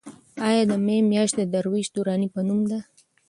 ایا د مې میاشت د درویش دراني په نوم ده؟